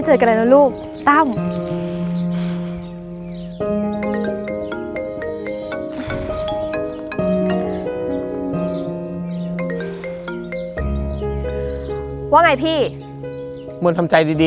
จนถึงวันนี้มาม้ามีเงิน๔ปี